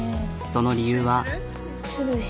その理由は。